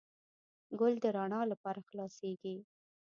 ګل د رڼا لپاره خلاصیږي.